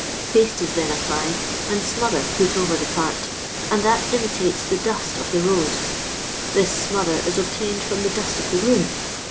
Paste is then applied, and ' smother' put over the part, and that imitates the dust of the road. This ' smother ' is obtained from the dust of the room.